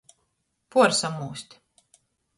Puorsamūst.